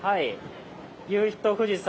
夕日と富士山。